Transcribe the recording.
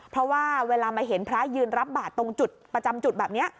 เพราะว่าเวลามาเห็นพระยืนรับบาทตรงจุดประจำจุดแบบนี้